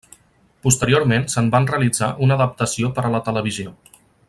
Posteriorment se'n va realitzar una adaptació per a la televisió.